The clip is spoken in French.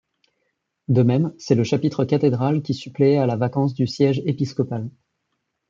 De même, c'est le chapitre cathédral qui suppléait à la vacance du siège épiscopal.